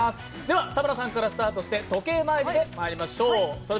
田村さんからスタートして時計回りでいきましょう。